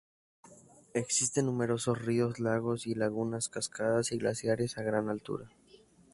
Existen numerosos ríos, lagos y lagunas, cascadas, y glaciares a gran altura.